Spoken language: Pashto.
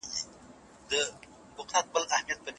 افغانان به په ګډه د خپل هېواد دفاع وکړي.